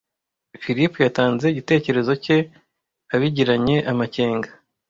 Philip yatanze igitekerezo cye abigiranye amakenga.